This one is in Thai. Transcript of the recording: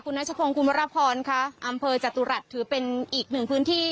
นัชพงศ์คุณวรพรค่ะอำเภอจตุรัสถือเป็นอีกหนึ่งพื้นที่